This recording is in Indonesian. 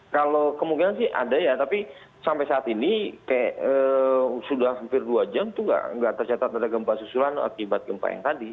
kalau kemungkinan sih ada ya tapi sampai saat ini sudah hampir dua jam itu nggak tercatat ada gempa susulan akibat gempa yang tadi